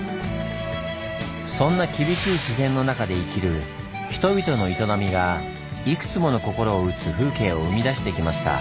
そんな厳しい自然の中で生きる人々の営みがいくつもの心を打つ風景を生み出してきました。